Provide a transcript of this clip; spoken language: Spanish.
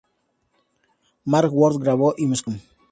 Mark Howard grabó y mezcló el álbum.